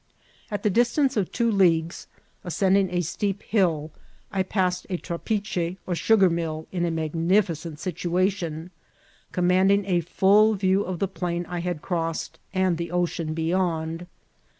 At the distance of two leagues, ascending a steep hill, I passed a trapiohe or sugar mill, in a magnificent situation, commanding a full view of the plain I had crossed and the ocean beyond.